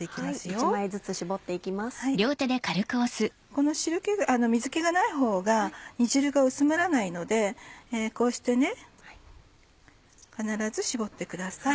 この水気がないほうが煮汁が薄まらないのでこうして必ず絞ってください。